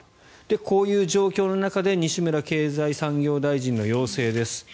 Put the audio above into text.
こういう状況の中で西村経済産業大臣の要請です。